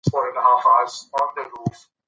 یو تاجر د پادشاه له حکومتي اعلان څخه ناخبره و.